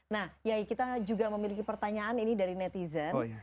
nah yai kita juga memiliki pertanyaan ini dari netizen